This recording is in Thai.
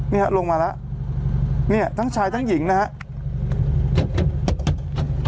เนี่ยลงมาแล้วเนี่ยทั้งชายทั้งหญิงนะครับ